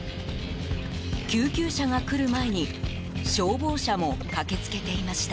救急車が来る前に消防車も駆けつけていました。